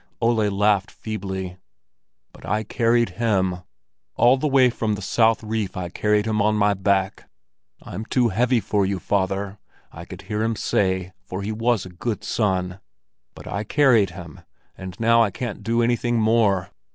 Ole laughed feebly. "But I carried him; all the way from the south reef I carried him on my back. I'm too heavy for you, father! I could hear him say, for he was a good son; but I carried him, and now I can't do anything more.